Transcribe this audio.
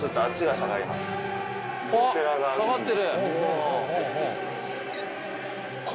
下がってる。